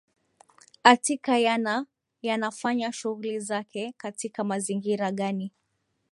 atika yana yanafanya shughuli zake katika mazingira gani